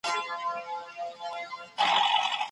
ما په هېنداره کې د خپلې څېرې نوي بدلونونه په ځیر ولیدل.